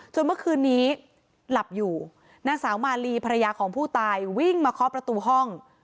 เมื่อคืนนี้หลับอยู่นางสาวมาลีภรรยาของผู้ตายวิ่งมาเคาะประตูห้อง